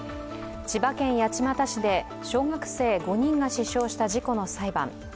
千葉県八街市で小学生５人が死傷した事故の裁判。